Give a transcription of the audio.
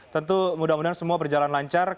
tentu mudah mudahan semua berjalan lancar